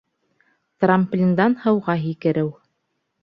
Трамплиндан һыуға һикереү